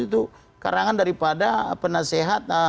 itu karangan daripada penasehat